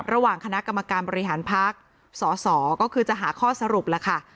ระหว่างคณะกรรมการบริหารพักสสก็คือจะหาข้อสรุปแล้วค่ะ